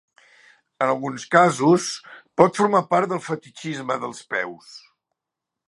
En alguns casos, pot formar part del fetitxisme dels peus.